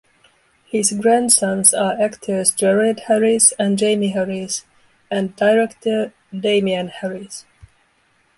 His grandsons are actors Jared Harris and Jamie Harris and director Damian Harris.